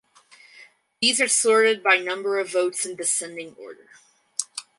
These are sorted by number of votes in descending order.